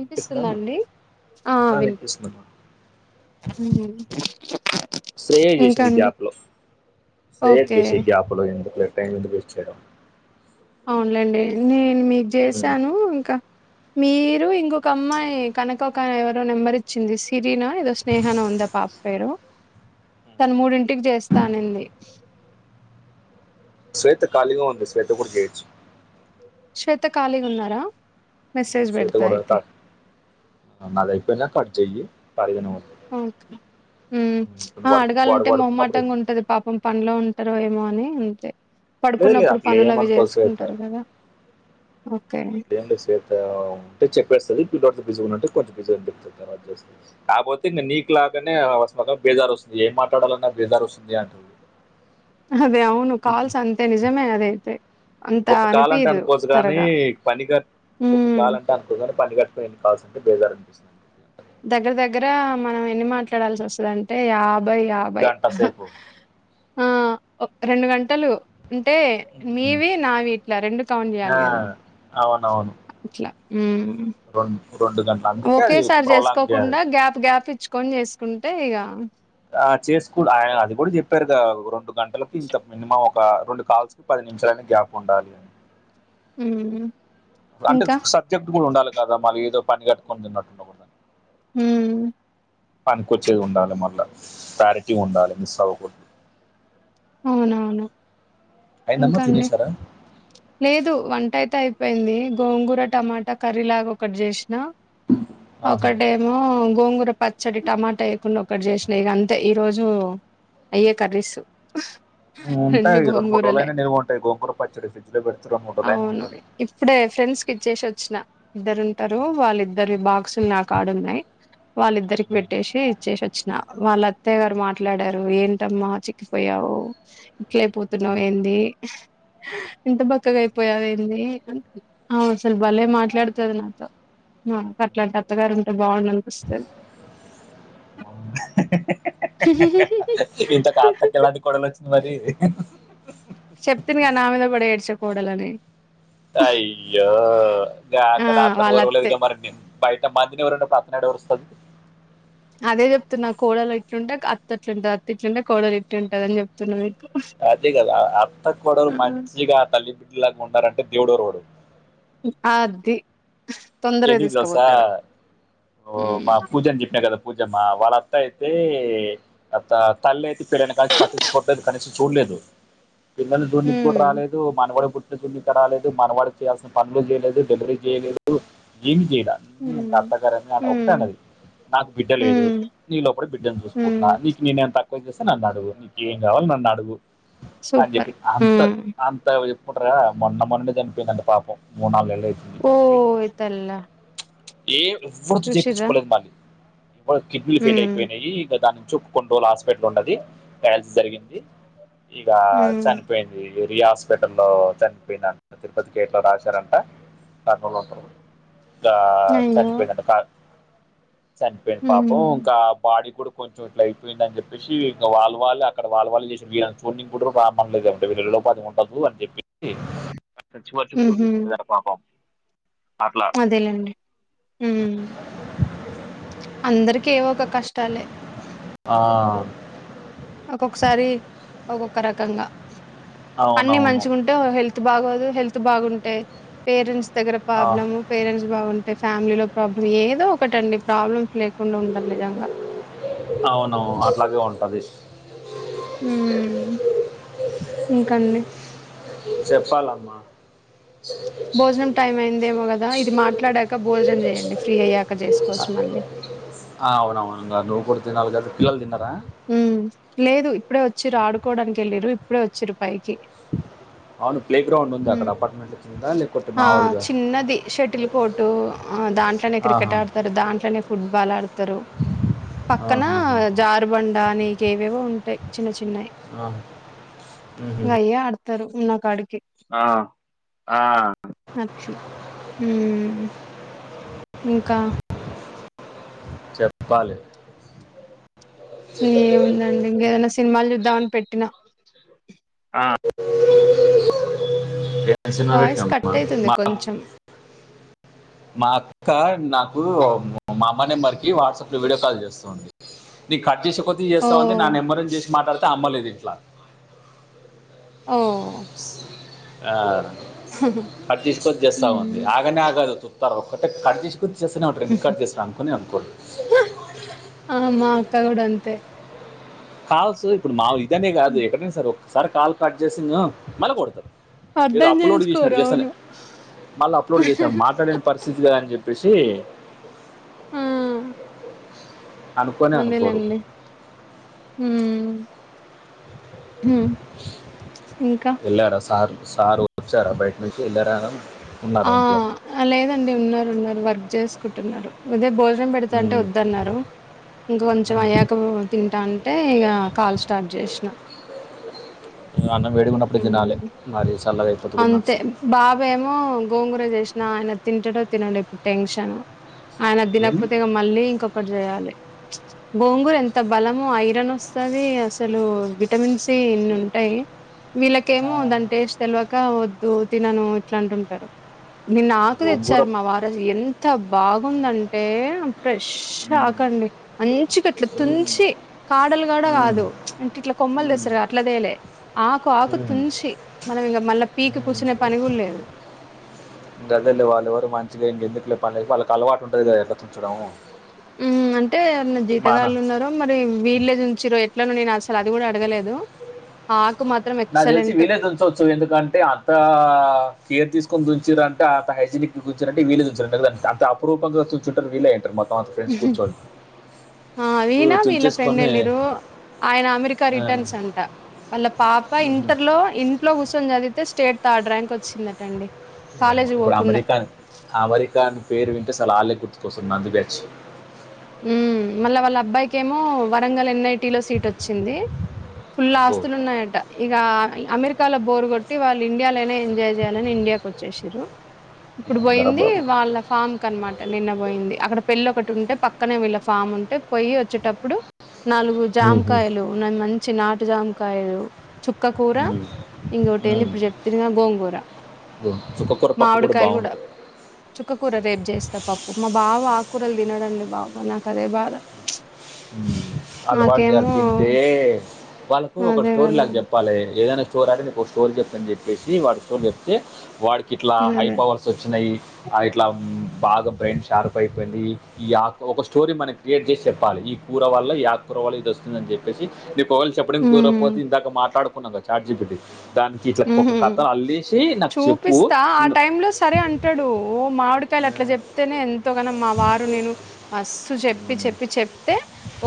వినిపిస్తుందమ్మా ఆ వినిపిస్తు వినిపిస్తుందమ్మా మ్ ఇంకా అండి సే ఓకే జసీకి అపలో ఎందుకు లే టైం ఎ వేస్ట్ చేయడం అవునులేండి నేను మీకు ఉమ్. చేసాను ఇంకా మీరు ఇంకొక అమ్మాయి కనకకా ఎవరో నెంబర్ ఇచ్చింది సీట్ ీనా ఏదో స్నేహన ఉందా పాప పేరు తను మూడింటికి చేస్తానింది స్వేత కాలిగా వుంది స్వేత కూడు చేచ్చు శ్వేత ఖాళీగా ఉన్నారా మెసేజ్ తే పెడతా అయితే నాది అయిపోనాక కట్ చెయ్ ఓకే ఉమ్, ఇప్పుడు వాడు వాడు అడగాలంటే వాడుకున్నప్పుడు మొహమాటంగా అయిపో- ఉంటది పాపం పంలో ఉం రు ఏమో అని అంతే లేదు లేదు పడుకున్నప్పుడు అట్లా పనులు అవి ఏమనుకోదు చేసుకుంటారు కదా ఓకే అట్లే ఏం లేదు శ్వేత ఉంటే చెప్పేస్తది బిజీ అంటే కొంచెం బిజీ అని చెప్తది తరువాత చేస్కో కాకపోతే ఇంకా నీకు లాగానే బేజార్ వస్తుంది ఏ ఏం మాట్లాడాలన బేజారు వస్తుంది అని అదే అవును కాల్స్ అంతే నిజమే అదైతే అంత ఒక కాల్ అంటే అనిపియదు అనుకోచ్చ గానీ త్వరగా. పని ఒక హ్మ్. కాల అంటే అనుకోచ్చ కాని పని క పోన కావాల్సింటే బేజార్ అనిపిస్తుంది దగ్గర దగ్గర మనం ఎన్ని మాట్లాడాల్సి వస్తద అంటే యా యాబై యాబై గంట సేపు ఆ రెండు గంటలు అంటే మీవి నావి ఇట్లా రెండు కౌంట్ ఆ, చేయాలి కదా అట్లా ఉ అ ఒకేసారి చేసుకోకుండా గ్యాప్ గ్యాప్ ఇచ్చుకొని చేసుకుంటే ఇక ఆ చేసుకూడ ఆయన అది కూడా చెప్పారు కదా రెండు గంటలకు ఇంత మినిమం ఒక ఒక రెండు కాల్స్ కి పది నిమిషాలైన గ్యాప్ ఉండాలి ఉ అంటే సబ్జెక్ట్ కూడా ఉండాలి కదా మళ్ళీ ఏదో పని కట్టుకొని తిన్నట్టుండ కూడా హ్మ్. పనికొచ్చేది ఉండాలి మళ్ళ క్లారిటీ ఉండాలి మిస్ అవ్వకూడదు అవునవును అయిందమ్మా ఇంకాండి తినేశారా లేదు వంటయి అయిపోయింది గోంగూర టమాటా కర్రీ లాగా ఒకటి చేసిన ఆహా ఒకటేమో గోంగూర పచ్చడి టమాటా వేయకుండా ఒకటి జేసిన ఇక అంతే ఈరోజు అయ్యే కర్రీస్ ఉంటాయి రెండు మూడు రోజులు అయినా నిలువ ఉంటాయి గోంగూర పచ్చడి ఫ్రిడ్జ్ లో పెడితే రెండు మూడు రోజులైనా అవును ఉంటది ఇప్పుడే ఫ్రెండ్స్ కి ఇచ్చేసి వచ్చిన ఇద్దరు ఉంటారు వాళ్ళిద్దరి బాక్స్లు నా కాడ ఉన్నాయ్ వాళ్ళిద్దరికి పెట్టేసి ఇచ్చేసి వచ్చిన వాళ్ళ అత్తయ్య గారు మాట్లాడారు ఏంటమ్మా కిపోయావు ఇట్లయి పోతున్నావు ఏంది ఇంత బక్కగా అయిపోయావు ఏంది అసలు భలే మాట్లాడుతుంది నాతో అట్లాంటి అత్తగారు ఉంటే బాగుండు అనిపిస్తది అవు హు హు ఇంతకతకిలాడీ కొడలు వచ్చింది మరి చెప్తిమే నా మీద పడి ఏడ్చే కోడలని అయ్యో గా ఆ అక్కడ అత్తను వాళ్ళ అత్తే ఓరవలేదుగా మరి బయట మంతనూరుడి పతనాడు ఓరుస్తాడు అదే చెప్తున్నా కోడలు ఇట్లుంటే అత్త అట్లుంటంది అత్త ఇట్లుంటే కోడలు ఇట్టుంటది అని చెప్తున్నా మీకు అదే కదా అత్త కోడలు మంచిగా తల్లి బిడ్డలాగా ఉండారంటే దేవుడ రడు అది తొందరగా ఎడు రాసా తీసుకపోతాడు ఓ మా హ్మ్ పూజను చెప్పిన కదా పూజమ్మా వాళ్ళత్త అయితే తల్లి అయితే పిల్లని కలిసి పట్టించుకూడదు కనీస చూడలేదు పిల్లలు జున్నికి కూడా హ్మ్ రాలేదు మనవడు పుట్ రాలేదు మనవాడు చేయాల్సిన పనులు చేయలేదు డెలివరీ చేయలేదు జం హ్మ్ [unintelligible] నాకు బిడ్డ లేదు హ్మ్ నీ లోప బిడ్డను చూసుకుంటున్నా హ్మ్ నీకు నేనేంత తక్ నన్ను అడుగు నీకు ఎం కావాలి నన్ను అడుగు అని సూపర్ చెప్పి అంత హ్మ్ అంత మొన్న మొన్న జనిపోయింద అ ప పాపం మూడు నాలుగు వేళ [unintelligible] చూసిర్రా [unintelligible] కిడ్నీలు ఫెయిల్ హ్మ్ అయిపోయినాయి ఇక దానికి చెప్పు కొని రోజులు హాస్పిటల్ ఉండది డైయాలసిస్ జరిగింది ఇక హ్మ్ చనిపోయింది ఈ రయా హాస్పిటల్లో లో చనిపోయిన తిరుపతి గేట్ లో రాశారంట కర్నూలు ఉంటంది ఆ అయ్యో చనిపోయిందంట చనిపోయింది హ్మ్ పాపం ఇంకా బాడీ కూడా కొంచెం ఇట్లా అయిందని చెప్పేసి ఇం వాళు అక్కడ వాళ్ వాళ్ళ చేసిన వీళ్ళని చూడింగ్ కూడా రామ్నలేదంటే వీళ్ పాధ ఉండదు అని చెప్పిసి చివరి చిరు ఊహూ చూసుకునే పాపం అట్లా అదేలేండి ఉమ్ అందరికి ఏవో ఒక కష్టాలే ఆ ఒక్కొక్కసారి ఒక్కొక్క రకంగా అన్ని అవునవును మంచిగా ఉంటే హెల్త్ బాగోదు హెల్త్ బాగుంటాయి పేరెంట్స్ దగ్గర ఆ, ప్రాబ్లము పేరెంట్స్ బాగుంటాయి ఫ్యామిలీలో ప్రాబ్లం ఏదో ఒకటండి ప్రాబ్లమ్ లేకుండా ఉండడి నిజంగా అవునవును అట్లాగే ఉంటది ఉమ్ ఇంకా చెప్పాలమ్మా భోజనం టైమ్ అయిందేమో కదా ఇది మాట్లాడాక భోజనం చేయండి ఫ్రీ అయ్యాక చేసుకోవచ్చు మళ్ళీ ఆ అవునవును నవ్వుకూడా తినాలి కదా మీ వొళ్ళు తిన్నారా ఉమ్ లేదు ఇప్పుడే వచ్చిరు ఆడుకోవడానికి వెళ్ళరు ఇప్పుడే వచ్చిన్రు పైకి అవును ప్లే గ్రౌండ్ ఉంది అక్కడ హ్మ్ అపార్ట్మెంట్ వచ్చిందా లేకే ఆ మావూలుగా చిన్నది షటిల్ కోటు దాంట్లోనే క్రికెట్ ఆడతారు దాంట్లోనే ఫుట్బాల్ ఆడతారు పక్కన ఆహాహాహా. [unintelligible] ఏవేవో ఉంటాయి చిన్న చిన్నవి ఆ, మ్హూ. ఇంకా అయ ఆడత [unintelligible] ఆ ఆ అక్షి ఇంకా చెప్పాలి ఏముందండి ఇంకేదైనా సినిమాలు చూద్దామని పెట్టినా ఆ వాయిస్ కట్ [unintelligible] అయితుంది కొంచెం మా అత్త నాకు మా నెంబర్ కి వాట్సాప్ లో వీడియో కాల్ చేస్తుంది నీకు కట్ చేసి పోతే ఓ చేస్తామని న నాన్న ఎమ్మరం చేసి మాట్లాడితే అమ్మలేదు ఇంట్లా ఓ ఆ కట్ చేసుకొచ్చ చేస్తా ఉంది ఉమ్ ఆగనే ఆగదు తుతారు ఒకటే కట్ చేసు [unintelligible] ఆ మా అక్క కూడా అంతే కాల్సు ఇప్పుడు మా ఇదనే కాదు ఎక్కడైనా సర ఒక్కసారి కాల్ కట్ చేసి మళ్ళీ కొడతారు ఏదో అర్ధం అప్లోడ్ చేసుకోరు చేసినాడు జసలే అవును మళ్ళీ అప్లోడ్ చేసినాడు మాట్లాడని పరిస్థితి కదా అని చెప్పి చెప్పేసి అనుకోనే అనుకోరు అదేలెండి ఉమ్ ఉమ్ ఇంకా సారు వచ్చారా బయటినుంచి ఇళ్ళార ఆహ్ లేదండి ఉన్నారు ఉన్నారు వర్క్ చేసుకుంటున్నారు ఇదే బోజ జనం పెడతా అంటే ఉమ్, వద్దన్నారు ఇంక కొంచెం ఉమ్. అయ్యాక తింటా అంటే ఇగ కాల్ స్టార్ట్ చేసిన ఈ అన్నం వేడిగున్నప్పుడు దినాలే హ్మ్ మారి అంతే బాబు ఏమో గోంగూర చేసినా ఆయన తింటడో తినండి ఇప్పుడు టెన్షన్ ఆయన ఆది ఏంది తినకపోతే మళ్ళీ ఇంకొకటి చేయాలి గోంగూర్ ఎంత బలము ఐరన్ వస్తుది అసలు విటమిన్ సి ఇన్ని ఉంటాయి ఆ, వీళ్ళకేమో దాని టేస్ట్ తెల్వక వద్దు తినను ఇట్లా అంటుంటారు నిన్న ఆకు గోంగూర తెచ్చారు మా వారు ఆది ఎంత బాగుందంటే ఫ్రెష్ ఉమ్, ఆకండి మంచిగా ఇట్లా ఉమ్, తుంచి కాడలుగూడ ఉమ్, కాదు అంటే ఇట్లా కొమ్మలు ఉమ్, తెస్తర అట్లదేలే ఆకు ఆకు తుంచి మళ్ళ నిన్న మళ్ళ దలి వాళ్ళ ఎవరు మంచిగా ఇంక ఎందుకు పళ్కి వాళ్ళకి అలవాటు ఉంటుంది కదా ఎట్లా తుంచము ఉమ్ అంటే ఏవన్నా జీతగాళ్లు ఉన్నారో మరి వీళ్ళే తుంచింద్రో ఇట్ నేను అసలు అది కూడా అడగలేదు ఆహ్ అక నాకు తెలిసి వీళ్ళే తెంచవచ్చు ఎందుకంటే అంత కేర్ తీసుకని చుంచిండ్రు అంటే అంత హైజనిక్గ తుంచిండ్రు అంటే వీళ్ళే అంత అరూంగా తున్చేతోలు వీళ్ళే అంటారు మా కాన్ఫరెన్స్ కూర్చోంది ఆహ్ ఈనా వీళ్ళ ఫ్రెండ్ ఎలిరు ఆయన అమెరికా ఆ, రిటర్న్స్ అంట వాళ్ళ పాప పా మ్మ్. ఇంటర్లో ఇంట్లో కూర్చొం చదివితే స్టేట్ థర్డ్ ర్యాంక్ వచ్చిందటండి మ కాలేజీ ఇప్పుడు పోకుండా అమెరికా అమెరికాని పేరు వింట అసలు ఆళ్ళ గుర్తు కోస్తారు నందుబేచి ఉమ్ మళ్ళా వాళ్ళ అబ్బాయికి ఏమో వరంగల్ ఎన్నై టీ లో సీట్ వచ్చింది ఫుల్ అబ్బో ఆస్తులు ఉన్నాయట ఇక ఆహ్ అమెరికాలో బోర్ కొట్టి వాళ్ళు ఇండియాలోనే ఎంజాయ్ చేయాలని ఇండియాకు వచ్చేషిండే ఇప్పుడు అందరా పోయింది బాబు వాళ్ళ ఫామ్ కి అనమాట నిన్న పోయింది అక్కడ పెళ్ళి ఒకటి ఉంటే పక్క పక్కనే వీళ్ళ ఫామ్ ఉంటే పొయి వచ్చేటప్పుడు నాలుగు మ్మ్. జామకాయలు ఉన్నాయి మంచి నా టు జాముకాయలు చుక్క కూర మ్మ్. ఇంకటీ ఏంది మ్మ్. ఇప్పుడు చెప్తిరిగా గోంగూర చుక్కకూర పప్పు గూడా బాగుంటుంది చుక్కకూర రేపు చేస్తా పప్పు మా బావ ఆకూరలు తినడం లే బాబ నాకు అదే బాధ ఉ అలవాటు చేల్ నాకేమో తింటే వాళ్ళకు ఒక అదే స్టోరీ కదా లాగా చెప్పాలి ఏదైనా స్టోర్ అడ నీకు ఒక స్టోర్ జెప్తా అని చెప్పేసి వాడికి ఇట్లా హై అదే పవర్స్ వచ్చినాయి ఆ ఇట్లా బాగా బ్రెయిన్ షార్ప్ అయిపోయింది ఈ ఆకు ఒక స్టోరీ మనకి క్రియేట్ చేసి చెప్పాలి ఈ కూర వాళ్ళ ఈ యాక కుర వాళ్ళ ఇది వస్తుందని చెప్పసి ఇది కూవలు చెప్పడానికి కుదరకపోతే ఉమ్ ఇందాక మాట్లాడు ఉన్నంగా చార్జి పెట్టి దానికి ఇట్లా ఒక ఉహు కథ అల్లేసి నాకు చెప్పు చూపిస్తా ఆ నిన్ను- టైమ్ లో సరే అంటాడు ఓ మామిడికాయలు అట్లా చెప్తేనే ఎంత ఎంతోగానం మా వారు నేను మస్ చెప్ చెప్పి చెప్పి చెప్తే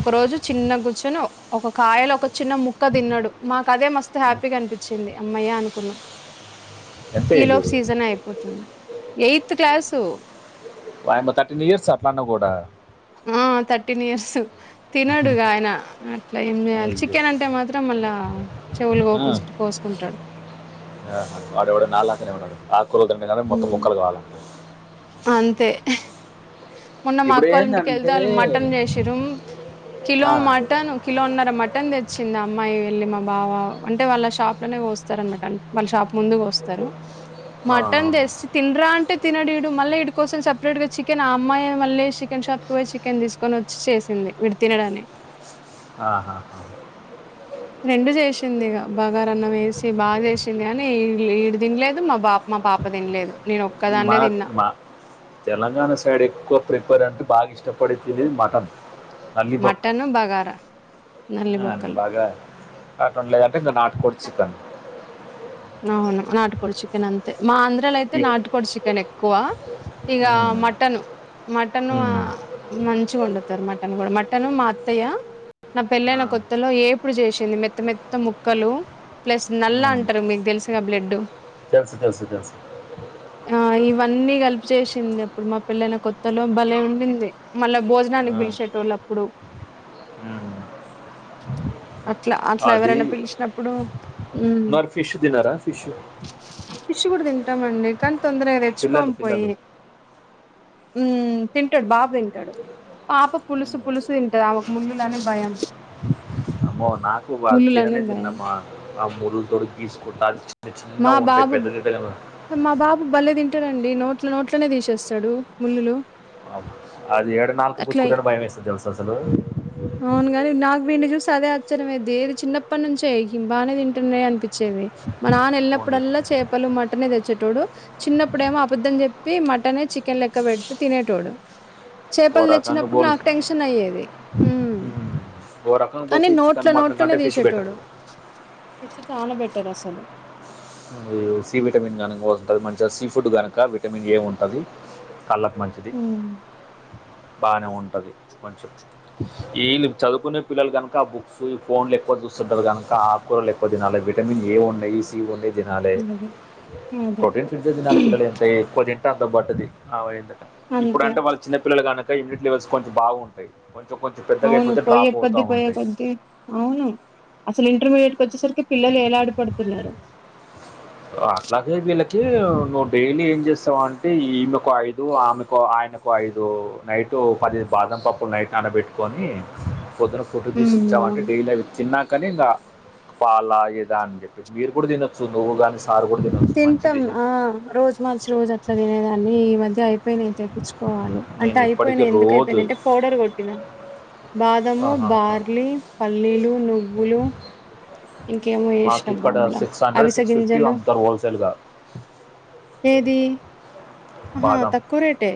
ఒక రోజు చిన్న గుచ్చును ఒక కాయలో ఒక చిన్న ముక్క తిన్నాడు మాకు అదే మస్తు హ్యాపీగా అనిపించింది అమ్మయ్య అనుకున్నాం ఎంత ఈ ఏజ్ లోపు సీజన్ అయిపోతుంది ఎయిత్ క్లాసు వాయిమో థర్టీన్ ఇయర్స్ ఆ అట్లా అన్న గుడా ఆ థర్టీన్ ఇయర్స్ తినడుగా ఆయన అట్లా ఏం చేయాలి చికెన్ అయ్యో అంటే మాత్రం మళ్ళా చెవులు గకస్తు కోసుకుంటాడు ఆ వాడవాడు నాలు తనే ఉంటడు ఆ కూరలు తింటే మొత్తం ఉమ్. ముక్కలు కావాలంట అంతే మొన్న మా ఇప్పుడు అక్క వాళ్ళ ఇంటికెళ్తే ఏంటంటే వాళ్ళు మటన్ చేసిన్రు కిలో ఆ, మటన్ కిలోన్నర మటన్ తెచ్చిందా అమ్మాయి వెళ్ళి మా బావ అంటే వాళ్ళ షాప్ లోనే పోస్తారు అనమాట వాళ్ళ షాప్ ముందుకు వస్తారు ఆ, మటన్ తెసి తినరా అంటే తినడి ఇ మళ్ళీ ఇటి కోసం సపరేట్గా చికెన్ ఆ అమ్మాయి మళ్ళీ చికెన్ షాప్కి పోయి చికె తీసుకొని వచ్చి చేసింది తినడు అని ఆహా రెండు చేసింది ఇ బగారాన్నం వేసి బాగా చేసింది కానీ ఏడు తినలేదు మా బాప మా పాప తినలేదు నేను ఒక్కదాన్నే మన తిన్నా మా తెలంగాణ సైడ్ ఎక్కువ ప్రిపేర్ అంటే బాగా ఇష్టపడి తినేది మటన్ తల్లి పక్క మటన్ బగారా నల్లి అ బొక్కలు బాగా అట్ వండ లేదంటే ఇకా నాటుకోడి చికన్ అవును నాటుకోడి చికెన్ అంతే మా ఆంధ్ర లో అయితే ఈ నాటుకోడి చికెన్ ఎక్కువ ఇగా ఉమ్, మటన్ మటన్ ఉమ్, మంచిగా వాడుతారు మటన్ మన్ కూడా మటన్ మా అత్తయ్య నా ఆ, పెళ్లైన కొత్తలో ఏ ఇప్పుడు చేసింది మెత్త మెత్త ముక్కలు ప్లస్ నల్ల ఉమ్. అంటారు మీ [unintelligible] తెలుసు తెలుసు తెలుసు ఆ ఇవన్నీ కలిపి చేస్తే [unintelligible] మా పెళ్లి అయినా కొత్తలో బలే వండింది మళ్ళా భోజనానికి ఆ, పిలిచేట వాళ్ళు అప్పుడు ఉమ్. అట్లా అట్లా అది ఎవరైనా పిలిచినప్పుడు మరి ఫిష్ తినరా ఫిష్ పిష్ కూడా తింటామండి కానీ తొందరగా తెచ్చుకోమ్ పిల్లలు పోయి పిల్లలు ఉమ్ తింటాడు బాబ తింటాడు పాప పులుసు పులుసు తింటాది ఆమెకు ముళ్ళులనే భయం అమ్మో నాకు అది ముళులనే తిననే భయం తినమ్మా ఆ ముళ్ల తొడుకి గ తీసుకుంటా అది చిన్న మా చిన్నగా ఉంటాయి బాబు పెద్ద జడ్ మా బాబు బల్లేె తింటారండి నోట్లు నోట్లనే తీసేస్తాడు ముళ్ళులు అ అది ఎర్డు నాలుకకు అట్లా కూచకుంట భయం వేస్తది తెలుస అసలు అవును గాని నాకు వీడిని చూసి అదే అచ్చరమే దేరు చిన్నప్పటి నుంచే అయిం బాగానే తింటున్నాయి అనిపించేది మన నాన్న ఓన్లీ వెళ్ళినప్పుడల్లా చేపలు మ మటనే తెచ్చేటోడు చిన్నప్పుడేమో అబద్ద్దం చెప్పి మటనే చికెన్ లెక్క పెడుతే తినేటోడు ఓ చేపలు రకంగా తెచ్చినప్పుడు బోలు నాకు టెన్షన్ అయ్యేది ఉమ్. ఓ రకంగా కానీ పోతే ఈ నోట్ల చికెన్ మటన్ నోట్లనే కంటే ఫిష్ బెటర్ తీసేటోడు ఇది చాలా బెటర్ అసలు అది సీ విటమిన్ కనుకస్తుంటుంది మంచిగా సీ ఫుడ్ కనుక విటమిన్ ఏ ఉంటుంది కళ్ళకు మంచిది ఉమ్ బానే ఉంటుంది కొంచెం వీళ్ళు చదువుకునే పిల్లలు కనుక బుక్స్ ఈ ఫోన్లు ఎక్కువ చూస్తుంటారు కనుక ఆకుకూరలు ఎక్కువ తినాల విటమిన్ ఏ ఉన్నాయి సి ఉన్నాయి తినలే అది అదే ప్రోటీన్ ఫితుది తినాలి పిల్లలు ఎంత ఎక్కువ తింటే అంత పట్టది అంతే ఇప్పుడంటే వాళ్ళ చిన్న పల్లలు కనుకకాయ్యూనిటీ లవెల్స్ కొంచం బాగు ఉంటాయి అవును పోయ కొద్ది పోయ కొద్ది అవును అసలు ఇంటర్వెల్ వచ్చేసరికి పిల్లలు ఎలా ఆడి పడుతున్నారు అట్లాగే వీళ్ళకి నువ్వు డైలీ ఏం చేస్తావంటే ఈమెకు ఐదు ఆమెకు ఆయనకు ఐదు నైటు పది బాదం పప్పులు నైట్ నానబెట్టుకొని పొద్దున ఫుడ్ తీసి ఉమ్ ఇచ్చామంటే అవును డైలీ అవి తిన్నా కానీ ఇంకా పాల ఏదా అని చెప్పేసి మీరు కూడా తినొచ్చు నువ్వు కాని తింటాం ఆ రోజు మార్చి రోజు అట్లా తినేదాన్ని ఈ మధ్య అయి అయిపోయినాయి తెప్పించుకోవాలి అంటే నేను ఇప్పటికీ అయిపోయినాయి ఎందుకు రోజు అయిపోయినాయి అంటే పౌడర్ కొట్టినా బాదము ఆహా. బార్లీ పల్లీలు నువ్వులు ఇంకేమో మాకు చేసినబ్బా ఇక్కడ అందులో సిక్స్ హండ్రెడ్ సిక్స్ ఫిఫ్టీ అవిసగింజలు అమ్ముతారు హోల్సేల్గా ఏది ఆహా తక్కువ రేటే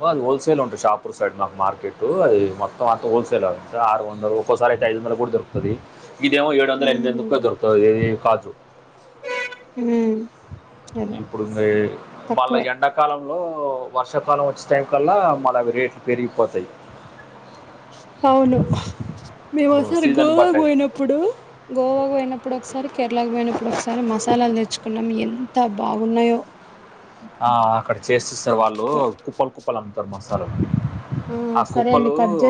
ఓ అది హోల్సేల్ ఉంటు షాపూర్ సైడ్ మాకు మార్కెట్టు అది మొత్తం అంత హోల్సేల్ అంట ఆరు వంద ఒకసారి అయితే ఐదు వందల కూడా దొరుకుతది. ఇదేమో ఏడు వందల ఎనిమిది ఉమ్ వంద దొరుకుతది ఇది కాజు ఉమ్ అదే ఇప్పుడుంది మళ్ళ తక్కువే ఎండకాలం లో వర్షాకాలం వచ్చే టైం కల్లా మళ అవి రేట్లు పెరిగిపోతాయి అవును మేము ఒకసారి సీజన్ గోవాకు బట్ట పోయినప్పుడు గోవాకు పోయినప్పుడు ఒకసారి కేరళకు పోయినప్పుడు ఒకసారి మసాలాలు తెచ్చుకున్నాం ఎన్ అంత బాగున్నాయో ఆ అక్కడ చేసిస్తారు వాళ్ళు సూపర్ కుప్పలు కుప్పలు అమ్తారు మసాలాలు ఆ సరే అండి కుప్పలు కట్ చేస్